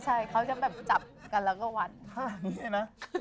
ใช่เขาจะแบบจับกันแล้วก็วัด